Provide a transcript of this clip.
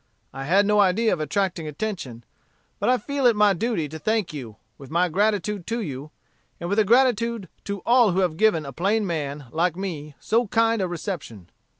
I had no idea of attracting attention. But I feel it my duty to thank you, with my gratitude to you, and with a gratitude to all who have given a plain man, like me, so kind a reception.